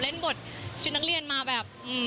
โอเค